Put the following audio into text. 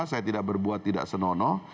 saya tidak berbuat tidak senonoh